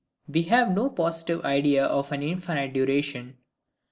We have no positive Idea of an infinite Duration.